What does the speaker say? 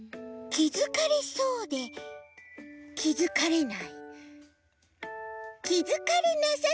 きづかれなさそうできづかれる。